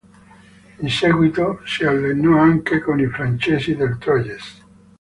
In seguito, si allenò anche con i francesi del Troyes.